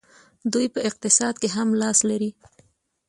دوی په اقتصاد کې هم لاس لري.